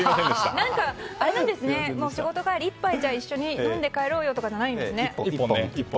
仕事帰り、１杯一緒に飲んで帰ろうよとかじゃないんですね。